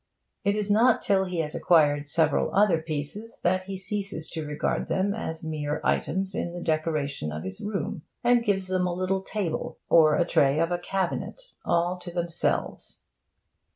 It is not till he has acquired several other pieces that he ceases to regard them as mere items in the decoration of his room, and gives them a little table, or a tray of a cabinet, all to themselves.